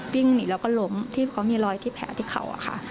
วิ่งหนีแล้วก็ล้มที่เขามีรอยที่แผลที่เขาอะค่ะ